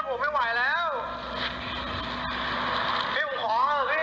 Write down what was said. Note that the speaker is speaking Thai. ก่อนกดโทยนเนี้ย